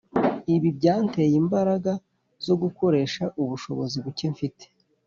Ibi byanteye imbaraga zo gukoresha ubushobozi buke mfite